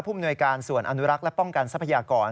มนวยการส่วนอนุรักษ์และป้องกันทรัพยากร